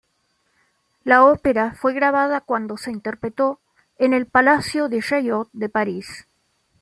La ópera fue grabada cuando se interpretó en el Palacio de Chaillot de París.